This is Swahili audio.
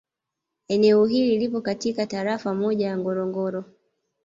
Eneo hili lipo katika Tarafa moja ya Ngorongoro